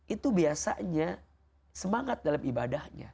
itu biasanya semangat dalam ibadahnya